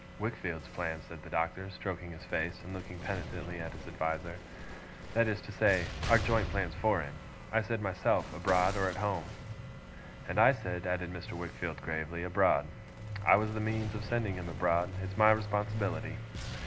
'Wickfield's plans,' said the Doctor, stroking his face, and looking penitently at his adviser. 'That is to say, our joint plans for him. I said myself, abroad or at home.' 'And I said' added Mr. Wickfield gravely, 'abroad. I was the means of sending him abroad. It's my responsibility.